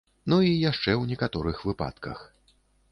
Ну і яшчэ ў некаторых выпадках.